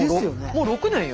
もう６年よ